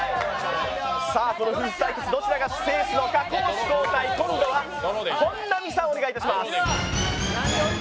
この夫婦対決、どちらが制すのか攻守交代今度は本並さん、お願いいたします。